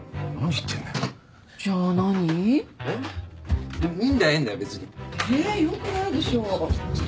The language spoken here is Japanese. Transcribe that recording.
よくないでしょ。